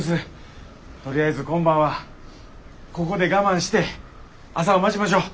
とりあえず今晩はここで我慢して朝を待ちましょう。